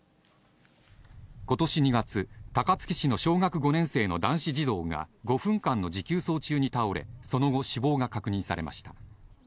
ことし２月、高槻市の小学５年生の男子児童が、５分間の持久走中に倒れ、その後、死亡が確認されました。